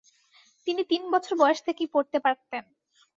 তিনি তিন বছর বয়স থেকেই পড়তে পারতেন।